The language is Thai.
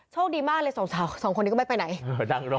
โชคดีมากเลยสาวสองคนนี้ก็ไม่ไปไหน